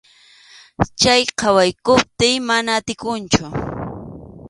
Chay qhawaykuptiy mana atikunchu.